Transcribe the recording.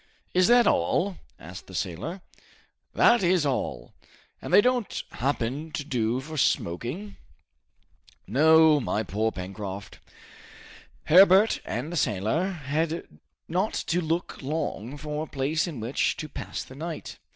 "Is that all?" asked the sailor. "That is all!" "And they don't happen to do for smoking?" "No, my poor Pencroft." Herbert and the sailor had not to look long for a place in which to pass the night.